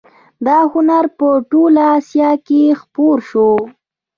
دا هنر په ټوله اسیا کې خپور شو